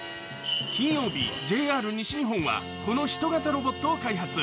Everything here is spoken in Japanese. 金曜日、ＪＲ西日本は、このヒト型ロボットを開発。